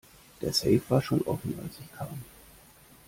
Der Safe war schon offen als ich kam.